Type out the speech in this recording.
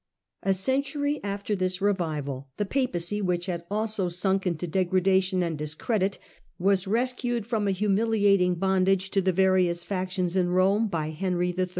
A century after this revival the Papacy, which had also sunk into degradation and discredit, was rescued from a humiliating bondage to the various factions in Rome by Henry III.